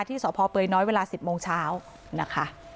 ที่สพเปยน้อยเวลา๑๐โมงเช้านะคะ